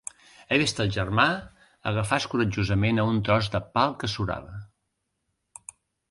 He vist el germà agafar-se coratjosament a un tros de pal que surava.